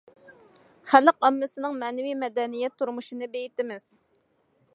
خەلق ئاممىسىنىڭ مەنىۋى مەدەنىيەت تۇرمۇشىنى بېيىتىمىز.